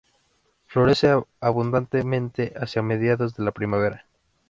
Florece abundantemente hacia mediados de la primavera.